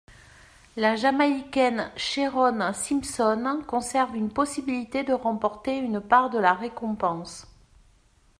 La Jamaïcaine Sherone Simpson conserve une possibilité de remporter une part de la récompense.